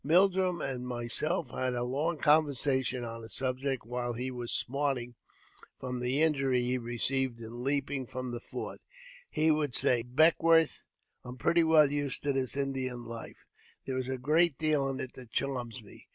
I Mildrum and myself had a long conversation on the subject j while he was smarting from the injury he received in leaping I from the fort. He would say, Beckwourth, I am pretty well used to this Indian life ; there is a great deal in it that charms me.